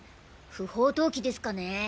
不法投棄ですかね。